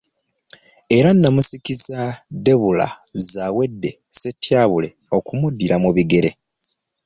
Era n'amusikiza Deborah Zaweddde Ssetyabule okumuddira mu bigere.